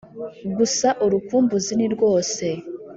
Gusa urukumbuzi ni rwose